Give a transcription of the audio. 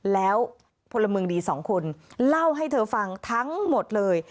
แล้วพลเมืองดีสองคนเล่าให้เธอฟังทั้งหมดเลย